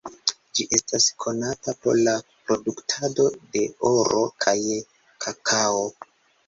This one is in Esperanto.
Ĝi estas konata pro la produktado de oro kaj kakao.